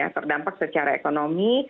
terdampak secara ekonomi